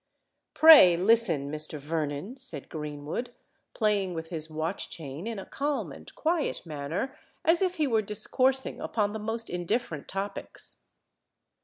"Pray, listen, Mr. Vernon!" said Greenwood, playing with his watch chain in a calm and quiet manner, as if he were discoursing upon the most indifferent topics.